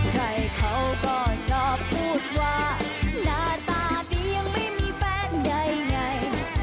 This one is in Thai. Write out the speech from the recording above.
ใครเขาก็ชอบพูดว่าหน้าตาดียังไม่มีแฟนใดไง